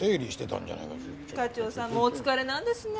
課長さんもお疲れなんですね。